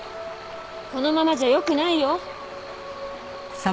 このままじゃよくないよ。